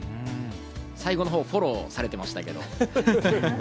最後のほうフォローされてましたけれども。